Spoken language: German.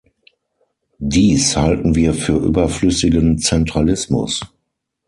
Dies halten wir für überflüssigen Zentralismus.